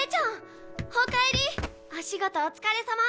お仕事お疲れさま。